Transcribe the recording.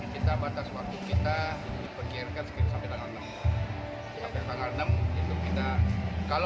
kita batas waktu kita diperkirakan sampai tanggal enam